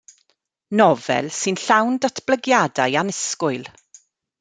Nofel sy'n llawn datblygiadau annisgwyl.